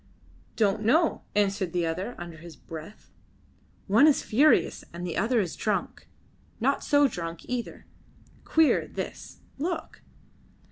"Don't know," answered the other, under his breath. "One is furious, and the other is drunk. Not so drunk, either. Queer, this. Look!"